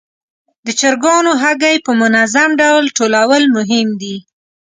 د چرګانو هګۍ په منظم ډول ټولول مهم دي.